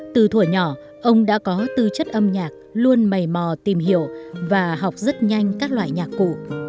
từ thủa nhỏ ông đã có tư chất âm nhạc luôn mầy mò tìm hiểu và học rất nhanh các loại nhạc cụ